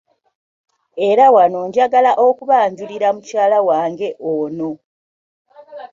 Era wano njagala okubanjulira mukyala wange ono.